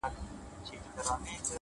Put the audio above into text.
خو كله ـ كله مي بيا ـ